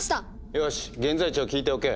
よし現在地を聞いておけ。